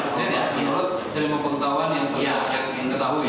sebenarnya ya menurut lima pengetahuan yang semua kita ketahui